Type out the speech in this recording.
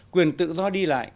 quyền tự do đi lại